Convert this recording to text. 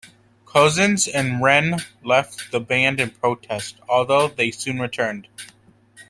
Couzens and Wren left the band in protest, although they soon returned.